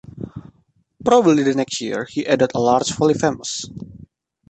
Probably the next year, he added a large "Polyphemus".